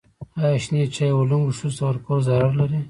ایا شنې چايي و لنګو ښځو ته ورکول ضرر لري؟